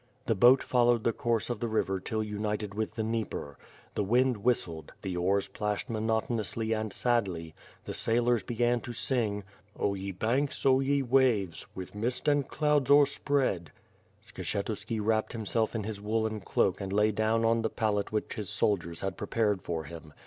The boat followed the course of the river till united with the Dnieper. The wind whistled; the oars plashed monoton ously and sadly; the sailors began to sing: O ye banks, O ye waves, With mist and clouds o'erapread. .." Skshetuski wrapped himself in his woolen cloak and lay down on the pallet which his soldiers had prepared for him.